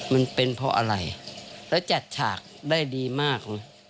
มันเป็นเพราะอะไรแล้วจัดฉากได้ดีมากเลย